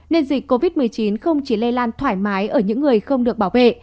nên dịch covid một mươi chín không chỉ lây lan thoải mái ở những người không được bảo vệ